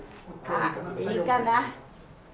ああいいかな？